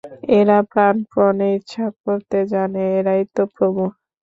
এরা প্রাণপণে ইচ্ছে করতে জানে, এরাই তো প্রভু।